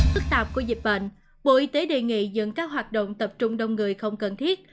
phức tạp của dịch bệnh bộ y tế đề nghị dừng các hoạt động tập trung đông người không cần thiết